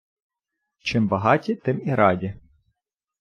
чим багаті, тим і раді